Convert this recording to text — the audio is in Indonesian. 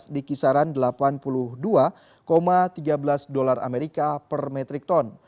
di kisaran delapan puluh dua tiga belas dolar amerika per metrik ton